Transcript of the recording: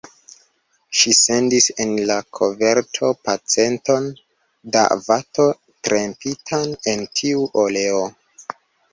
Ŝi sendis en la koverto peceton da vato trempitan en tiu oleo.